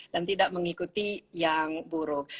dan tidak mengikuti yang buruk